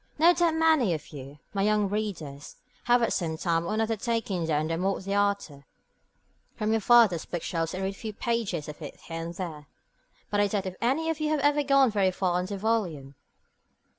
No doubt many of you, my young readers, have at some time or another taken down the Morte D'Arthur from your father's bookshelves and read a few pages of it here and there. But I doubt if any of you have ever gone very far in the volume.